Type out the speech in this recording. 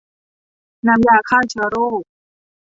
น้ำยาฆ่าเชื้อโรค